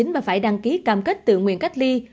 mà phải đăng ký cam kết tự nguyện cách ly